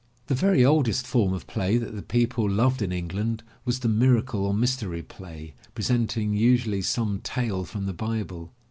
The very oldest form of play that the people loved in England was the miracle or mystery play, presenting usually some tale from the Bible.